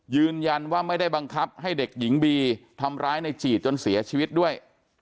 ยืนยันว่าไม่ได้บังคับให้เด็กหญิงบีทำร้ายในจีดจนเสียชีวิตด้วย